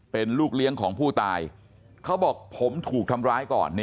เป็นลูกเลี้ยงของผู้ตายเขาบอกผมถูกทำร้ายก่อน